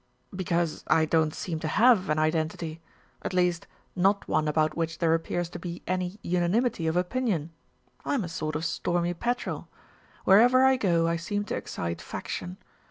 "Because I don't seem to have an identity, at least, not one about which there appears to be any unanimity of opinion. I'm a sort of stormy petrel. Wherever I go I seem to excite faction.